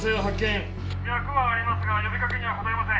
「脈はありますが呼びかけには応えません」